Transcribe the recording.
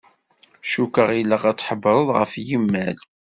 Cukkeɣ ilaq ad tḥebbreḍ ɣef yimal.